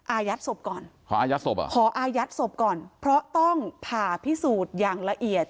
อายัดศพก่อนขออายัดศพขออายัดศพก่อนเพราะต้องผ่าพิสูจน์อย่างละเอียด